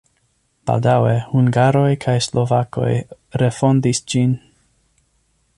Baldaŭe hungaroj kaj slovakoj refondis ĝin.